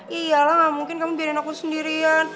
yaiyalah gak mungkin kamu biarin aku sendirian